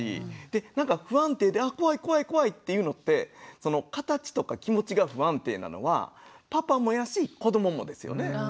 で不安定であ怖い怖い怖いっていうのって形とか気持ちが不安定なのはパパもやし子どももですよね。